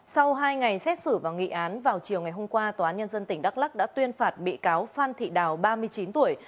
sau hai ngày xét xử và nghị án vào chiều ngày hôm qua tòa án nhân dân tỉnh đắk lắc đã tuyên phạt bị cáo phan thị đào ba mươi chín tuổi